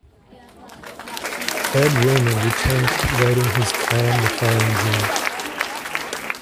Ed Raymond returned to writing his column the following June.